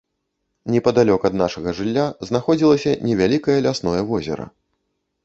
Непадалёк ад нашага жылля знаходзілася невялікае лясное возера.